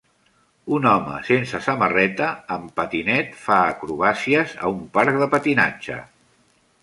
Un home sense samarreta amb patinet fa acrobàcies a un parc de patinatge.